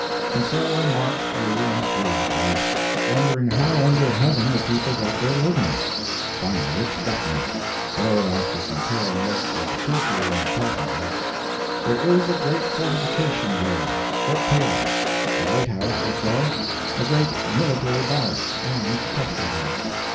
And so I marched through and through the place, wondering how under heaven the people got their living. Finally it struck me, though after comparing notes with the Purser and the passengers: There is a great fortification there—Fort Taylor; a lighthouse or so, a great military barrack, and a Custom House.